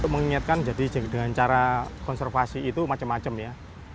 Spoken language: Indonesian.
mengingatkan jadi dengan cara konservasi itu macam macam ya